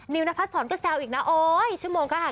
นิ้วนพัดสอนก็แซวอีกนะโอ๊ยชั่วโมงค่ะ